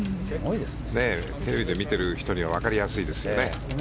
テレビで見ている人にも分かりやすいですよね。